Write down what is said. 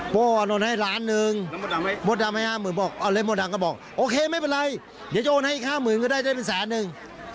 พี่ขอดูสอริป๕๐๐๐๐แรกก่อนดีกว่าแล้วขอให้มาว่า๕๐๐๐๐หลัง